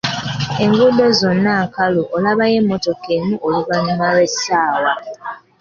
Enguuddo zonna nkalu olabayo emmotoka emu oluvannyuma lw'essaawa.